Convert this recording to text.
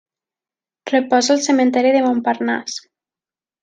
Reposa al cementiri de Montparnasse.